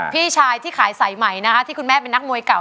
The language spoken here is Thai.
พี่ชายที่ขายสายใหม่นะคะที่คุณแม่เป็นนักมวยเก่า